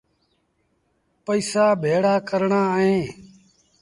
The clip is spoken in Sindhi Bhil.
پئيٚسآ ڀيڙآ ڪرڻآن اهيݩ